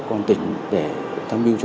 công an tỉnh để tham mưu cho